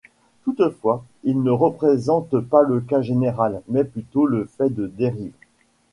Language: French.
Toutefois, ils ne représentent pas le cas général, mais plutôt le fait de dérives.